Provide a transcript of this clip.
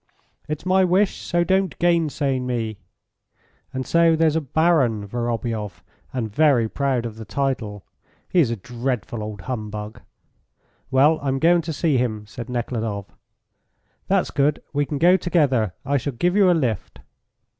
'It's my wish, so don't gainsay me!' And so there's a Baron Vorobioff, and very proud of the title. He is a dreadful old humbug." "Well, I'm going to see him," said Nekhludoff. "That's good; we can go together. I shall give you a lift."